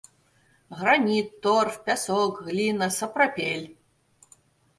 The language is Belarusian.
Граніт, торф, пясок, гліна, сапрапель.